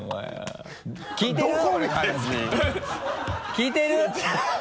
聞いてる？